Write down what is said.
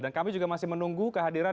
dan kami juga masih menunggu kehadiran